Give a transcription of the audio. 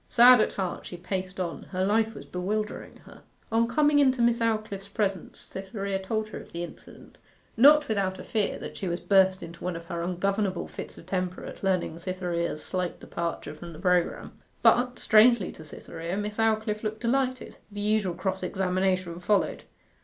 Sad at heart she paced on: her life was bewildering her. On coming into Miss Aldclyffe's presence Cytherea told her of the incident, not without a fear that she would burst into one of her ungovernable fits of temper at learning Cytherea's slight departure from the programme. But, strangely to Cytherea, Miss Aldclyffe looked delighted. The usual cross examination followed.